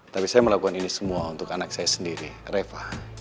tapi saya melakukan ini semua untuk anak saya sendiri reva